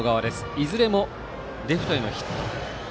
いずれもレフトへのヒット。